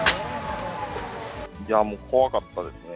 いやー、もう怖かったですね。